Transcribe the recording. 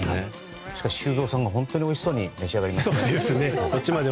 修造さんが本当においしそうに召し上がってましたね。